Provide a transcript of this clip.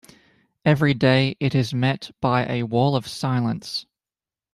Every day it is met by a wall of silence.